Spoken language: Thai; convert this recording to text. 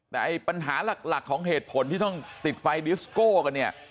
แต่ปัญหาหลักของเหตุผลที่ต้องติดไฟดิสโก้กันเนี่ย